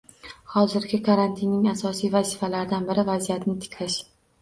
Hozirgi karantinning asosiy vazifalaridan biri - vaziyatni tiklash